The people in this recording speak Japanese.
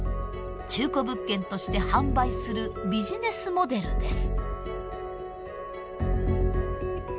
中古物件として販売するビジネスモデルです。